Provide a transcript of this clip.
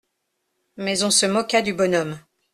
Mais on se moqua du bonhomme.